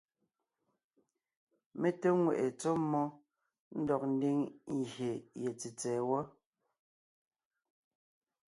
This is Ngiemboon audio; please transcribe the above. Mé té ŋweʼe tsɔ́ mmó ndɔg ńdiŋ gyè ye tsètsɛ̀ɛ wɔ.